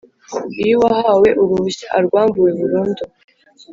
Iyo uwahawe uruhushya arwambuwe burundu